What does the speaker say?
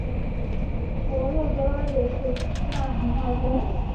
佛勒格拉也是希腊神话中。